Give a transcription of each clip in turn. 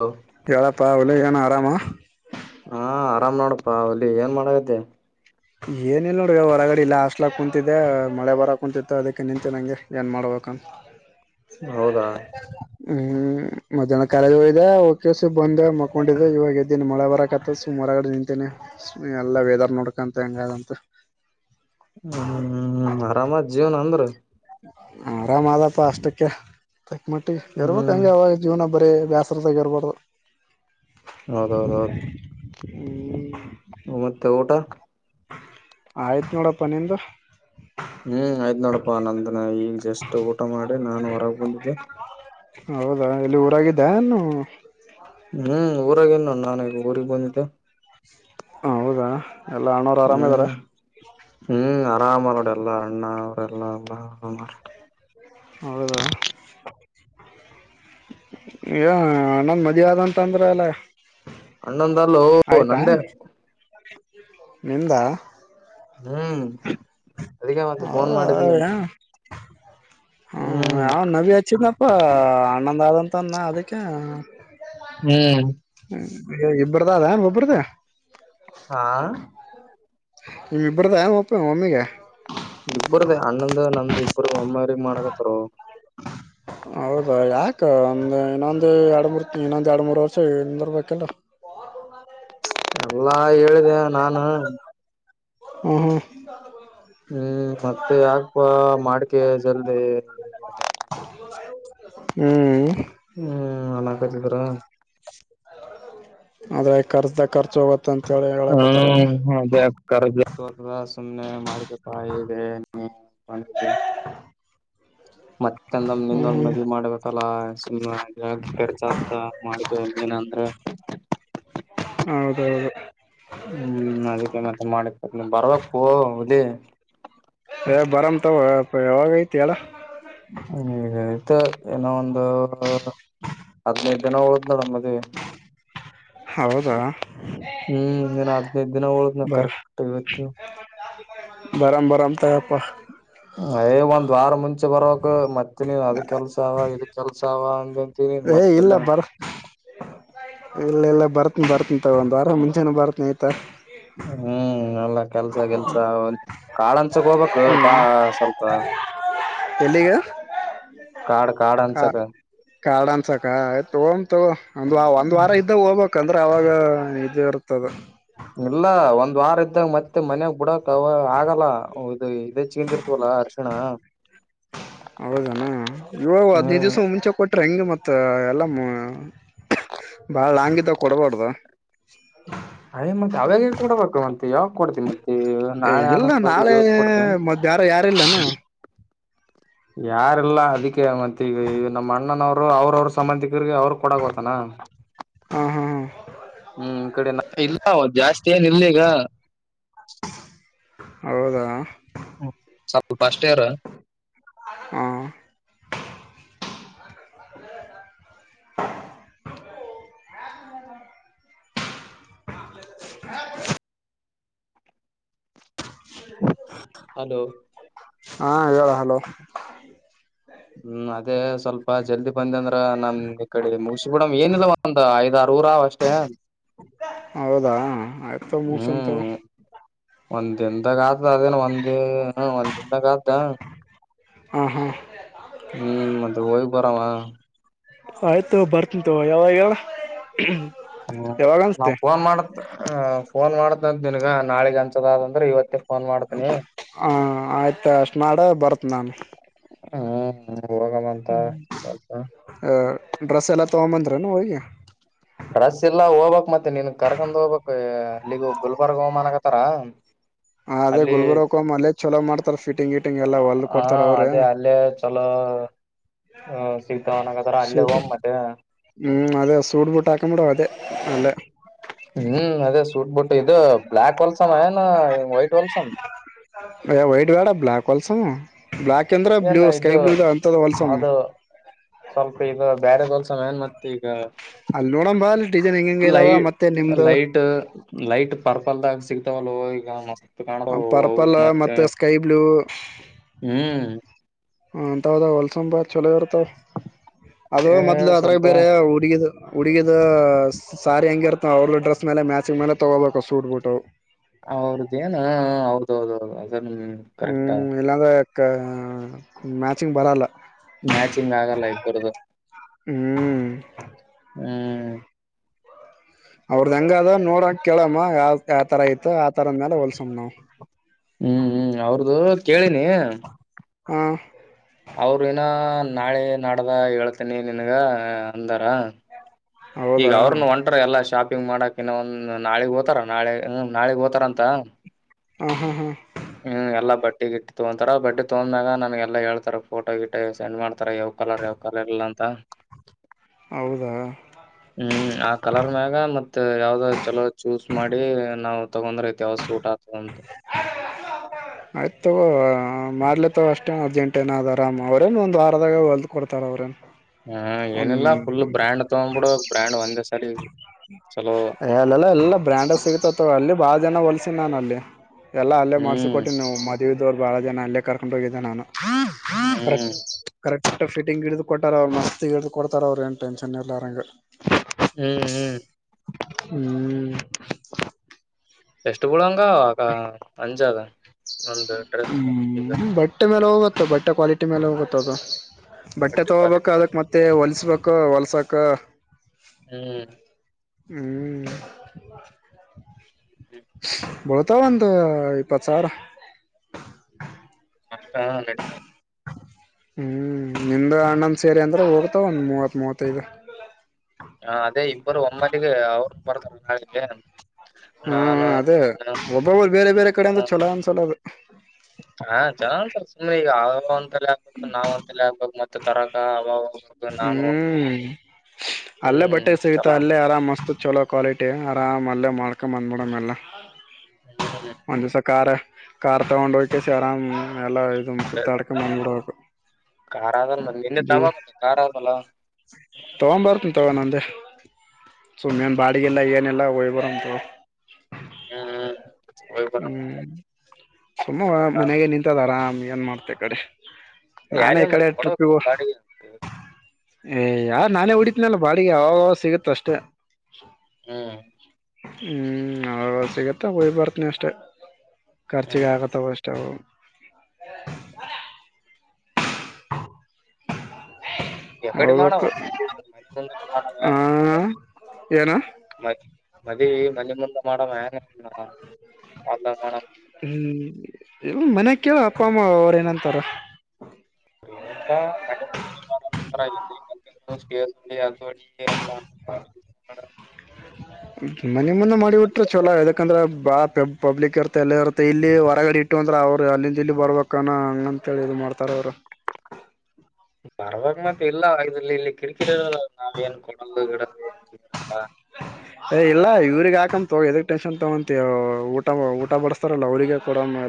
Hello ಯಳಪ್ಪಾ ಉಳ್ಳ ಏನ ಆರಾಮಾ ಹಾ ಆರಾಮ್ ನೋಡಪ್ಪಾ ಅಲ್ಲಿ ಏನ್ ಮಾಡಗತ್ತೆ ಏನ ಇಿಲ್ಲ ನೋಡ್ರಗ ಹೊರಗಡೆ ಇಲ್ಲ ಹಾಸ್ಟ್ಲ ಕುಂತಿದ್ದೆ ಮಳೆ ಬರ ಕುಂತಿತ್ತು ಅದಕ್ಕೆ ನಿಂತ ನಂಗೆ ಏನ್ ಮಾಡ್ಬ ಪಕನ್ ಹೌದಾ ಹ್ಮ್ ಮಧ್ಯಾಹ್ನ ಕಾಲದ ಹಯ್ದ ಓಕೆಸ ಬಂದ ಮಕೊಂಡಿದ್ದ ಇವಾಗ ಎದ್ದನ್ ಮೊಳೆ ಬರಕತ ಹೊರಗಡೆ ನಿಂತೇನೆ ಎಲ್ಲ ವೆದರ್ ನೋಡ್ಕಂತ ಹೆಂಗದಂತ ಹ್ಮ ಹ್ಮ್್ಮ ಆರಾಮದ್ ಜೀವ್ನ ಅಂದ್ರ ಆರಾಮದಪ ಅಷ್ಟಕ್ಕೆ ತಕ್ ಮಟ್ಟಿ ಇರ್ಬೇಕಕ್ ಹ್ಮ್ ಹಂಗೆ ಅವಾಗ ಜೀವನ ಬರೀ ಬೇಸರತೆಗರ ಪಡದು ಹೌದ ಹೌದೌದು [inaudible] ಒ ಮತ್ತ ಊಟ ಆಯ್ತು ನೋಡಪ್ಪನಂದು ಹ್ಮ್ ಆಯ್ತ್್ ನೋಡಪ್ಪಾ ನಂದ ಈಗ ಜಸ್ಟ್ ಊಟ ಮಾಡಿ ನಾನು ಹೊರಗೆ ಬಂದಿದ್ದೆ ಹೌದಾ ಇಲ್ಲಿ ಊರಾಗಿದ್ದಾನು ಹ್ಮ್ ಊರಾಗೇನು ನಾನೀಗ ಊಗ್ ಬಂದಿದ್ದೆ ಹೌದಾ ಎಲ್ಲ ಹಣೋರು ಆರಾಮದಾರ ರಾಮನೋಡ ಎಲ್ಲಾ ಅಣ್ಣ ಅವರೆಲ್ಲಲ್ಲ ಹೌದ [inaudible] ಏ ಅಣ್ಣಂದ್ ಮದ್ ಆದಂತ ಅಂದ್ರ ಅಲ್ಲ ಅಣ್ಣೊಂದಲ್ಲು ನಂದೆ ನದಾ ಹ್ಮ್ ಅದಕ್ಕೆ ಮತ್ತ ಫೋನ್ ಮಾಡಿದ್ದೀನಾನು ಹ್ಮ ಯಾವ ನವಿ ಹಚ್ಚಿದಪ್ಪ ಅಣ್ಣಂದ್ ಆದಂತನ್ನ ಅದಕ್ಕೆ ಹ್ಮ್ ಇಬ್ಬ್ರದ ಅದ ಒೊಬ್ಬ್ರ್ದ ಹಾ ನಿಮ್ ಇಬ್ಬ್ರ್ದ ್ಪ್ಪ ಮಮ್ಮಿಗೆ ಇಬ್ಬರ್ದ ಅಣ್ಣಂದ ನಂದು ಇಬ್ಬರು ಒಮ್ಮ್ರ ಮಾಡಕತ್ತಾರ ಹೌದಾ ಯಾಕ ಒಂದ್ ಇನ್ನೊಂದು ಎರಡು್ಮರ್ ಇನ್ನೊಂದ ಎರಡ್ ಮೂರು ವರ್ಷ ಇರ್ಬೇಕಲ್ಲ [inaudible] ಎಲ್ಲಾ ಹೇಳಿದೆ ನಾನು ಹ್ಮ್ ಹ್ಮ್ ಹ್ಮ್ ಮತ್ತೆ ಯಾಕಪಾ ಮಾಡಿಕೆ ಜಲ್ದಿ ಹ್ಮ್ ಹ್ಮ್ ಅಣ ಕರ ಆದದ್ರೆ ಖರ್ಚದ ಖರ್ಚ ಹೋಗುತ್ತೆ ಹ್ಮ ಅದೇ ಕರದ ತ ಸುಮನೆ ಮಾಡಿದಪ್ಪದೆ ನೀ ಮತ್ತಂದಮಿಂದ ಹ್ಮ್ ಒಂದ್ ಹ್ಮ್ ಮದಿ ಮಾಡ್ಬೇಕಲ್ಲ ಸು ಖರ್ಚಾಗಗ್ತಾ ಮಾಡಿನ ಅಂದ್ರ ಹ್ಮ ಹ್ಮ್ ಅದಕ್ಕೆೇನ ಮಾಡಿ ಬರ್ಬೇಕಕ್ೂ ಹದಿ ಹ ಬರಾಮ ತ ಹವಗೈತಿಳ ಮತ್ತ ಏನೋ ಒಂದು ಹದ್ನೈದು ಜನ ಹೋದ್ ನೋಡಮ್ಮದ್ ಹೌದಾ ಹ್ಮ್ ಇನ್ ಹದ್ನೈದು ದಿನ ಹಳ ನ ಕರೆಕ್ಟ್ ಇವತ್ತು ಬಾರಾಮ ಬಾರಾಮ ತಪ್ಪ ಯ ಒಂದ್ ವಾರ ಮುಂಚೆ ಬರಕ್ ಮತ್ತೆ ನೀನ್ ಅದ ಕೆಲ್ಸ ಅವ ಇ ಕೆಲ್ಸವ ಅಂದ ಏ ಇಲ್ಲ ಬರ ಇಲ್ಲ ಇಲ್ಲ ಬರ್ತ್ನ ಬರ್ತಂತ ಒಂದ ವಾರ ಮುಂಚೆಾನ ಬರ್ತ್ನಯತಾ ಹ್ಮ್ ಎಲ್ಲ ಕೆಲ್ಸ ಕೆಲ್ಸ ಕಾಳ ಅನ್ಸಕ್ ಹೋಗ್ಬೇಕು ಬಾ ಹ್ಮ್ ಸ್ವಲ್ಪ ಎಲ್ಲಿಗೆ ಕಾರಾರ್ಡ ಕಾರ್ಡ ಹಸ ಕ ಕಾರ್ಡಾಸ ಕ ತೋ ಒಂದ ಒಂದ್ ವಾರ ಇದ್ದ ಹೋಗ್ಕ್ಂದ್ರೆ ಅವಾಗ ನಿಜ ಇರ್ತದ ಇಲ್ಲ ಒಂದ್ ವಾರ ಇದ್ದಾಗ ಮತ್ತೆ ಮನ್ಯಾಗ ಬಿಡಕ್ ಆಗಲ್ಲ ದು ಇದೇ ಚೀಲ್ದಿರ್ತವಲ್ಲಾ ಅರ್ಶಣ ಹೌದಾನ ಇವಾಗ ಹದ್ಿನೈದು ಹ್ಮ್ ದಿವ್ಸ ಮುಂಚೆ ಕೊಟ್ಟ ೆಂಗ್ ಮತ್ತ ಎಲ್ಲ ಬಾಳ ಲಾಂಗ ಇದಾಗ ಕೊಡ್ಬಾರ್ದು ಅಯ ಮತ್ತೆ ಅವಾಗ ಕೂಡಬೇಕು ಮತ್ೆ ಯಾವ ಕೊಡ್ತೀ ಮ ಏ ನಾಳೆ ಇಲ್ಲ ಆದಂತ ಬಂದಿ ನಾಳೆ ಜೋ ಕೊಡ್ತೇನೆ ಮತ್ತ ಯಾರ ಯಾರಿಲ್ಲನು ಯಾರೆಲ್ಲ ಅದಕ್ಕೆ ಮತ್ತೆ ಈಗ ನಮ್ಮ ಅಣ್ಣನವರು ಅವ್ರವರು ಸಂಬಂಧಿಕ ಇದರ್ಗ ಅವ್ರ ಕೊಡ ಗೋತಾನ ಹಾ ಹಾ ಹಾ ತ್ತಏನ್ ಇಲ್ಲಗ ಹೌದಾ ಸ್ವಲ್ಪ ಅಷ್ಟ ಇರ ಹ [inaudible] ಹಾ ಹಲೋ ಹಾ ಹೇಳ ಹಾಗ ಹ್ಮ್ ಅದೇ ಸ್ವಲ್ಪ ಜಲ್ದಿ ಬಂದ ಅಂದ್ರ ನಮ ಕಡೆ ಮುಗಸ ಬಿಡಮ್ ಏನಿಲ್ಲ ಒಂದ್ ಐದ್ ಆರುೂರ ಅಷ್ಟೇ ಹೌದಾ ಆಯ್ತ ಮೂಸಂತ ಹ್ಮ್ ಒಂದ್ ದನ್ದಾಗ ಆದ ಅದೇನ್ ಒಂದ ಒಂದ್ ದನ್ದಾಗ ಆತ ಹಾ ಹಾ ಹ್ಮ್ ಮದ ಹೋಗ್ ಬರಾವ ಆಯ್ತು ಬರ್ತಂತವ ಯಾವಾಗ ಹ್ಮ ಯಾವಾಗ ಅನ್ಸ್ತೆ ನಾವು ಫೋನ್ ಮಾಡತ್ ಫೋನ್ ಮಾಡ್ದ ಅಂತ ನಿನ್ಗ ನಾಳಗ್ ಅನ್ಸದ ಅ್ರೆ ಇವತ್ತೇ ಫೋನ್ ಮಾಡ್ತನಿ ಹ ಆಯ್ತ ಅಷ್ಟ ನಾಡ ಬರ್ತ್ ನಾನ್ು ಹ್ಮ ಅ ರಸಾಯಲ ತ ಆಮಂತ್ರ ನ ೋಗಗೆ ರಸ್ ಇಲ್ಲ ಹೋಗ್ಕ್ ಮತ್ತೆ ನೀನ್ ಕರ್ಕೊಂಡ ಹೋಗಬಕ್ ಇಲ್ಲಿಗೂ ಗುಲ್ಬರ್ಗ್ ಹೋಮನ್ಗತಾರ ಹ ಅದೇ ಗುಲ್ಬುರ್ಕೊ ಅಲ್ಲೇ ಚಲೋ ಮಾಡ್ತಾರ ಫಿಟಿಂಗ್ ಇಟಿಂಗ್ ಎಲ್ಲ ಹೊಲ್ ಕೊಡ್ತಾರ ಅವ್ರೆ ಸಿಗ್ತಾವ ನಂಗರ ಅಲ್ಲೇ ಸೂಟ್ ಒ ಮತ್ತೆ ಹ್ಮ್ ಅದೇ ಸೂಟ್ ಬೂಟ್ ಆಕಬಡೋ ಅದೇ ಅಲ್ಲ ಹ್ಮ್ ಅದೇ ಸೂಟ್ ಬುಟ್ಟು ಇದು ಬ್ಲಾಕ್ ವಲ್ಸಾಮಯನ ವೈಟ್ ವಲ್ಸಾಮ ಅಯ ವೈಟ್ೇಡ ಬ್ಲಾಕ್ ಹೊಲ್ಸಾಮ ಏನ್ ಇದು ಹೊಲ್ಸಮ್ ಅದು ಸ್ವಲ್ಪ ಇದು ಬೇರೆದಲ್ ಸಮಯ ಮತ್ತೆ ಈಗ ಅಲ್ಲೋಳಂಬಾಲ್ ಲೈ ಲೈಟ್ ಲೈಟ್ ಪರ್ಪಲ್ದಾಗ ಸಿಗ್ತಾವಲ್ಲೊ ಈಗ ಮಸ್ತ್ ಕಾಂತಾವೋ ಅವು ಪರ್ಪಲ್ ಮತ್ತ ಮತ್ತೆ ಸ್ಕೈ ಬ್ಲೂ ಹ್ಮ್ ಹ ಅಂತವ್ ದಾಗ ಹೊಲ್ಸಂಬಾ ಚಲೋ ಇರುತ್ತಾವ ಅದ ಏ ಮೊದ್ಲು ಅದ್ರಾಗ ಸ್ವಲ್ಪ ಬೇರೆ ಹುಡುಗಿ ದು ಹುಡುಗಿದು ಸ್ಯಾರಿ ಹೆಂಗಿರ್ತ ಅವ್ರ ಡ್ರೆಸ್ ಮೇಲೆ ಮ್ಯಾಚಿಂಗ್ ಮೇಲೆ ತಗೋಬೇಕ ಸೂಟ್ ಬೂಟ ಅವ್ರದ ಏನ ಹೌದ ಹೌದುೌದು ಅದ ಕರೆಕ್ಟಾ ಹ್ಮ್ ಇಲ್ಲಾಂದ್ರೆ ಮ್ಯಾಚಿಂಗ್ ಬರಲ್ಲ ಇಬ್ರುದು ಹ್ಮ್ ಹ್ಮ್ ಅವ್ರದ ಹೆಂಗ ಅದ ನೋಡ ಕೇಳಮ್ಮ ಯಾವ ಯಾವ ತರ ಐತ ಆತರದ್ಮೇಲೆ ಹೊಲ್ಸಮ್ಮ ನಾವು ಹ್ಮ್ ಹ್ಮ್ ಅವ್ರದು ಕೇಳಿನಿ ಹಾ ಅವ್ರ ಇನ್ನ ನಾಳೆ ನಾಡ್ದ ಹೆಳ್ತೀನಿ ನಿನ್ಗ ಅಂದಾರ ಈಗ ಹೌದಾ ಅವ್ರನು ಹೊಂಟಾರ ಎಲ್ಲಾ ಶಾಪಿ ಪಿಂಗ್ ಮಾಡಾಕ ಇನ್ನ ಒಂದ್ ನಾಳೆಗ್ ಹೊತಾರ ನಾಳೆ ಹ್ಮ್ ನಾಳಗ್ ಓತಾರ ಅಂತ ಹ ಹ ಹಾ ಎಲ್ಲಾ ಬಟ್ಟಿ ಗಿಟ್ಟ ತಗೊಂತರ ಬಟ್ಟೆ ತಗೊಂಡ್ ಮ್ಯಾಗ ನನ್ಗೆಲ್ಲ ಹೇಳ್ತಾರ ಫೋಟೋ ಗಿಟೋ ಸೆಂಡ್ ಮಾಡ್ತಾರ ಯಾವ್ ಕಲರ್ ಯಾವ್ ಕಲರ್ ಇಲ್ಲಾ ಅಂತ [inaudible] ಹೌದಾ ಹ್ಮ್ ಆ ಕಲರ್ ಮ್ಯಾಗ ಮತ್ತೆ ಯಾವ್ದ್ ಚಲೋ ಚೂಸ್ ಮಾಡಿ ನಾವು ತಗೊಂಡ್ರ ಐತಿ ಅವಸ್ ೋಟ ಸಂಂತ [unintelligible] ಆಯ್ತ್ ತಗೋ ಮಾಡ್ಲಿ ತಗೋ ಅಷ್ಟೇ ಅರ್ಜೆಂಟೈನ್ ಅದಾರರಾಮ್ ಅವ್ರೇನು ಒಂದ್ ವಾರದಾಗ ಹೊಲ್ದ್ ಕೊಡ್ತಾರ ಅವ್ರೆನ್ ಹ್ಮ ಏನಿಲ್ಲ ಫುಲ್ ಬ್ರ್ಯಾಂಡ್ ತೋಗಂಬುಡಬೇಕ್ ಬ್ರ್ಯಾಂಡ್ ಒಂದೇ ಸರಿ ಚಲೋ ಎಲ್ಲ ಎಲ್ಲ ಬ್ರ್ಯಾಂಡ್ಸ್ ಸಿಗುತ್ತ ತಗೋ ಅಲ್ಲಿ ಬಾಳ ಜನ ಹೊಲಸ ನಾನು ಅಲ್ಲಿ ಎಲ್ಲ ಅಲ್ಲೇ ಮಾಡ್ಸಿ ಹ್ಮ್ ಕೊಟ್ಟಿನಿ ನೀವು ಮದುವಿದವ್ರು ಬಾಳ ಜನ ಅಲ್ಲೇ ಕರ್ಕೊಂಡು ಹೋಗಿದ್ದಿ ದ್ದೆ ನಾನು ಕರೆಕ್ಟ್ ಹ್ಮ್ ಕರೆಕ್ಟ್ ಫಿಟಿಂಗ್ ಹಿಡಿದು ಕೊಟ್ಟಾರ ಅವ್ರ್ ಹಿಡಿದು ಕೊಡ್ತಾರ ಅವರು ಏನು ಟೆನ್ಷನ್ ಇರ್ಲ್ಲಾರಲ್ಲ ನಂಗೆ ಹ್ಮ್ ಹ್ಮ್ ಹ್ಮ್ ಎಷ್ಟಟ್ ಪುಡಂಗ ಆ ಅಂಜದ [unintelligible] ಹ್ಮ್ ಬಟ್ಟೆ ಮೇಲೆ ಹೋಗುತ್ತ ಬಟ್ಟೆ ಕ್ವಾಲಿಟಿ ಮೇಲೆ ಹೋಗುತ್ತ ಅದು ಬಟ್ಟೆ ಬಟ್ಟಿ ಕ್ವಾಲಿಟಿ ತಗೋಬೇಕು ಮಾಡ್ಬೋದು. ಅದಕ್ಕೆ ಮತ್ತೆ ಹೊಲ್ಸ್ಬೇಕು ಹೊಲ್ಸಕ ಹ್ಮ್ ಹ್ಮ್ ತ್ತ ಇಪ್ಪತ್ ಸಾವ್ರ ಅಷ್ಟ ನಡಿತಾದ್ ಹ್ಮ್ ನಿಮ್ದ ಅಣ್ಣಂದ ಸೇರಿ ಅಂದ್ರೆ ಹೋಗತಾವ ಒಂದ್ ಮೂವತ್ ಮೂವತ್ತೈದ ಹಾ ಅದೇ ಇಬ್ಬರು ಒಮ್ಮಟಿಗೆ ಅವರು ಬರ್ತಾರ ನಾಳಿಗೆ ಹ್ಮ್ ನಾನು ಅದೇ ನೀನು ಒಬ್ಬೊಬ್ಬರು ಬೇರೆ ಬೇರೆ ಕಡೆಯಿಂದ ಚಲೋ ಅನ್ಸಲ್ಲ ಅದು ಹಾ ಚಂದ ಸುಮ್ನೆ ಈಗ ಅವ ಅಂತಲೇ ಆಗ್ಬೇಕು ನಾವ್ ಅಂತಲ್ಲೇ ಆಗ್ಬೇಕು ಮತ್ ತರಕ ಅವ [unintelligible] ಹೋಗ್ಬೇಕು ಹ್ಮ್ ಅಲ್ಲೇ ಹ್ಮ್ ಬಟ್ಟೆ ಸಿಗುತ್ತಾ ಚಲೋ ಅಲ್ಲೇ ಆರಾಮ ಮಸ್ತ್ ಚಲೋ ಕ್ವಾಲಿಟಿ ಆರಾಮ ಅಲ್ಲೇ ಮಾಡ್ಕೊಂಡ್ ಬಂದ್ಬಿಡಮ್ ಎಲ್ಲ ಹ್ಮ್ ಒಂದ್ ದಿವಸ ಕಾರ್ ಕಾರ್ ತಗೊಂಡ ಹೊಂದಿಸ ಆರಾಮ್ ಎಲ್ಲ ಇದು ಸುತ್ತ ಆಡ್ಕೊಂಡ್ ಬಂದ್ಬಿಡ್ಬೇಕು ಕಾರ್ ಆದ್ರೆ ಮತ್ ನಿಂದೆ ತಗೊಂಡಬಾ ಮತ್ತ ಕಾರ್ ಅಂದ್ಮೇಲೆ ತಗೊಂಡಬರ್ತೀನಿ ತಗೋ ನಂದೆ ಸುಮ್ಮನೆ ಬಾಡಿಗೆ ಇಲ್ಲ ಏನೆಲ್ಲಾ ಒಯ್ ಬರನ ತಗೋ ಹ್ಮ್ ಹ್ಮ್ ಹ್ಮ್ ಸುಮ್ನೆ ಕಡೆ ಎಲ್ಲ ಮನೆಗೆ ನಿಂತದ ಆರಾಮ್ ಆಗಿ ಏನ್ ಮಾಡ್ತೆದ್ ಗಾಡಿ ನಾನೇ ಯಾರಿಗ ಈ ಕಡೆ ಮತ್ತೆ ಕೊಡಬೇಕಿಲ್ಲ ಟ್ರಿಪ್ಪಿಗೂ ಬಾಡಿಗೆ ಏ ಯಾರ ನಾನೇ ಹೊಡಿತಿನಲ್ಲ ಬಾಡಿಗೆ ಅವಾಗವಾಗ ಸಿಗುತ್ತ ಅಷ್ಟೇ ಹ್ಮ್ ಹ್ಮ್ ಅವಾಗ ಸಿಗತ್ತ ಹಯ್ ಬರ್ತನಿ ಅಷ್ಟೇ ಹ್ಮ್ ಖರ್ಚಿಗೆ ಆಗತ್ತಾವ ತೊ ಎ ಕಡೆ ಮಾಡವ ಹೋಗ್ಬೇಕು ಒ್ ಮ ಮನೆಗಂದ ಮಾಡ ಆ ಏನ ಮದೀ ಮನೆ ಮುಂದ ಮಾಡಮ್ಮ ಏನ ಹ್ಮ್ ಇ ಮನ ಕೇಳ ಅಪ್ಪ ಅಮ್ಮ ಅವರ ಏನಂತಾರ ಸ್್ಟ ಆವಾಡಿ ಮನೆ ಮುಂದೆ ಮಾಡಿಬಟ್ರೆ ಚಲೋ ಯಾಕಂದ್ರೆ ಬಾತ್ ಪಬ್ ಪಬ್ಲಿಕ್ ಇರುತ್ತೆ ಎಲ್ಲ ಇರುತ್ತೆ ಇಲ್ಲಿ ಹೊರಗಡೆ ಇಟ್ಟು ಅಂದ್ರ ಅವರು ಅಲ್ಲಿಂದ ಇಲ್ಲಿ ಬರ್ಬೇಕಾನ ಹಂಗ ಅಂತ ಹೇಳಿ ಇದು ಮಾಡ್ತಾರೆ ದೋರ್ [inaudible] ಪರವಾಗಿ ಮತ್ ಇಲ್ಲ ಇದ್ರಲ್ಲಿ ಇಲ್ಲಿ ಕಿರಿಕಿರಿರಲ್ಲ ನಾವೇಏನ್ ಕೊಡಲ್ಲ ಗಿಡ ಹ ಏ ಇಲ್ಲ ಇವ್ರಗ್ ಹಾಕಂತ ಎದಕ್ ಟೆನ್ಷನ್ ತಗಂತ ಊಟ ಊಟ ಬಡಸ್ತಾರಲ್ಲ ಅವ್ರಿಗೆ ಕೊಡ ನ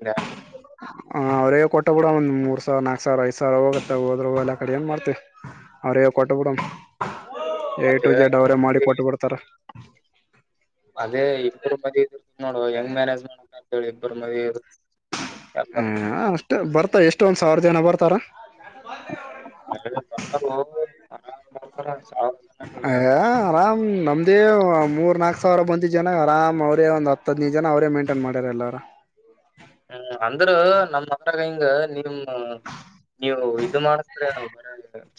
ಗ್ಯನು ಹ ಅವ್ರೇ ಕೊಟ್ಟ ಬಿಡ ಒಂದ್ ಮೂರ್ ಸಾವಿರ ನಾಕ್ ಸಾವಿರ ಐದ ಸಾವರ ಹೋಗುತ್ತತ್ತ ಹೋದ್ರು ಎಲ್ಲಾ ಕಡೆ ಏನ್ ಮಾಡ್ತೇವ ಅವರೇ ಕೊಟ್ಟಬಿಡ ಎ ಟು ಅದೇ ಜೆಡ್ ಅದೇ ಅವರೇ ಮಾಡಿ ಮತ್ತೆ ಕೊಟ್ಟ ಬಿಿಡ್ತಾರ ಅದೇ ಇಬ್ಬರು ಮದಿ ಇರ್ತ ನೋಡುವ ಯಂಗ್ ಮ್ಯಾನೇಜ್ ನೋಕ ಅಂತ ಹೇಳಿ ಇಬ್ಬರು ಮದಿ ಇರು ಹ ಅಷ್ಟ ಬರ್ತ ಎಷ್ಟೊಂದ್ ಸಾವಿರ ಜನ ಬರ್ತಾರ ಬರ್ತಾರ ಹ ಬರ್ತಾರ ಅಯ ಆರಾಮ್ ನಮ್ದೇ ಮೂರ್ ನಾಕ್ ಸಾವಿರ ಬಂತಿ ಜನ ಆರಾಮ್ ಅವರೇ ಒಂದ ಹದ್ನ್ ಜನ ಅವರೇ ಮೇಂಟೈನ್ ಮಾಡ್ಯಾರ ಎಲ್ಲಾರ ಹ್ಮ್ ಅಂದ್ರ ನಮ್ಮ ಮತ್ರರಾಗ ಹಿಂಗ ನೀಮ ನೀವು ಇದು ಮಾಡಸ್ರ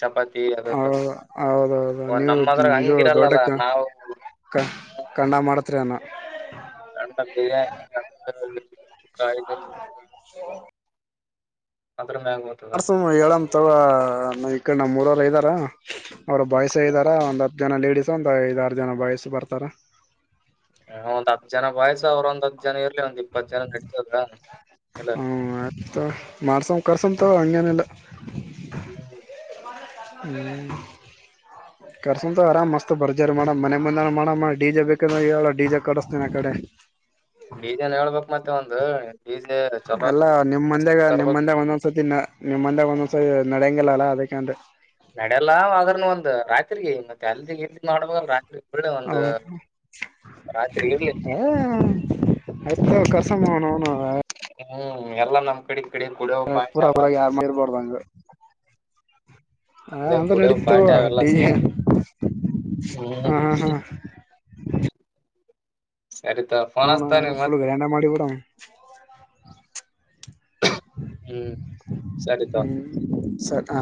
ಚಪಾತಿ ಅದಲ್ಲ ಹೌದೌದು ನೀವು ನಮ್ಮದ್ರ ಇದು ದೊಡ್ಡ ಹಿಂಗಿರಲ್ಲಲ್ಲ ನಾವು ಕ ಕಂಡ ಮಾಡತ್ರಿ ಏನೋ ಕಂಡ ಬಿರಿಯಾನಿ ಅ ಸುಖ ತೋರ್ಮ್ಯಾಗ ಹೋತುದ ಅಥವಾ ಈ ಕಡೆ ನಮ್ಮ್ ಮೂರವರು ಇದ್ದಾರ ಅವರು ಬಾಯ್ ಇದ್ದ ಒಂದ್ ಹತ್ತು ಜನ ಲೇಡೀಸ್ ಒಂದ್ ಐ ಐದಾರು ಜನ ಬಯಸ್ಸು ಬರ್ತಾರ ಹ ಒಂದ್ ಹತ್ತು ಜನ ವಯಸ್ಸ ಅವ್ರ ಒಂದ್ ಹತ್ತು ಜನ ಇರ್ಲಿ ಒಂದಿಲ್ಲ ಹ್ಮ ಆತ ಮಾಡ್ಸ ಕರ್ಸಂತ ಹಂಗೇನಿಲ್ಲ ಹ್ಮ ಹ್ ಕರ್ಸಂತು ಆರಾಮ್ಸ್ತ್ ಬರ್ಜಾರ ಮಾಡ ಮನೆ ಮುಂದ ಮಾಡ ಮಾಡ ಡೀಜೆ ಬೇಕಂದ್ರ ಹೇಳ ಡೀಜಾ ಕಡಿಸತೇನ ಆ ಕಡೆ ಡಿ ಜೆ ನು ಹೇಳ್ಬಕ್ ಮತ್ತೆ ಒಂದು ಡಿಜೆ ಚಲೋ ಎಲ್ಲ ನಿಮ್ಮ್ ಮಂದ್ಯಾಗ ನಿಮ್ ತರ್ಬೇಕ ಮಂದಾಗ ಒಂದೊಂದ್ಸತಿ ನಾ ನಿಮ್ಮಂದ ಒಂದೊಂದ್ಸ ನಡೆಯಂಗಿಲ್ಲ ಅಲ್ಲ ಅದು ಅದಕ ಅಂದ್ರೆ ನಡ್ಯಲ್ಲ ಅವ್ರನು ಒಂದ್ ರಾತ್ರಿಗೆ ಮತ್ತೆ ಅಲ್ದ ಇಲ್ ಮಾಡಬಲ್ ರಾತ್ರಿ ಒಳ್ಳೆ ಒಂದ್ ಹೌ ರಾತ್ರಿ ಇರ್ಲಿ ಡಿಜೆ. ಹ ಎತ ಕಸಮ ನೌನ ಹ್ಮ್ ಎಲ್ಲಾ ನಮ್ ಕಡೆ ಈ ಕಡೆ ಕುಡಿಯವ ಪಾಯಿಂಟ ಪೂರಾ ಪೂರ ಯಾರ ಮ ಇರ್ಬಾರ್ದಂಗ ಹ ಅಂತ್ರ ನಡೀತತಗೋ ಅವೆಲ್ಲ ಡಿ ಸ ಜೇ ಹ್ ಹ್ಮ್ ಸರಿತ ಫೋನ್ ಹನ ಹಚ್ತಾನ ನಿಂಗ್ ಫುಲ್ ಮತ್ತೆ ಗ್ರಂಡ ಮಾಡಿಬಿಡೋಣ ಹ್ಮ್ ಸರಿ ತಗೋ ಸರ್